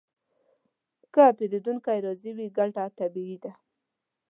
که پیرودونکی راضي وي، ګټه طبیعي ده.